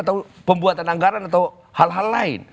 atau pembuatan anggaran atau hal hal lain